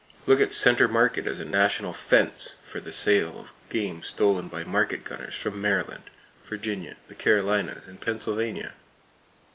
Look at Center Market as a national "fence" for the sale of game stolen by market gunners from Maryland, Virginia, the Carolinas and Pennsylvania.